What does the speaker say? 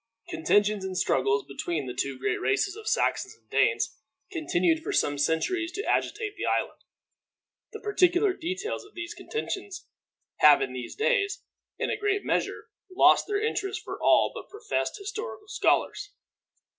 Contentions and struggles between the two great races of Saxons and Danes continued for some centuries to agitate the island. The particular details of these contentions have in these days, in a great measure, lost their interest for all but professed historical scholars.